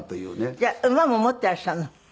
じゃあ馬も持っていらっしゃるの？